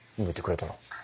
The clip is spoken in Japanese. むいてくれたら。